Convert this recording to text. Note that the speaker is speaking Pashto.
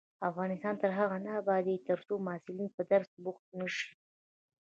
افغانستان تر هغو نه ابادیږي، ترڅو محصلین په درس بوخت نشي.